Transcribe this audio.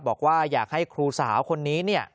บอกว่าอยากให้ครูสาวคนนี้เนี่ย